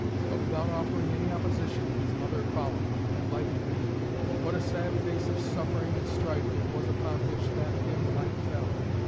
But without offering any opposition, his mother followed, and lighted me. What a sad face of suffering and strife it was upon which that dim light fell!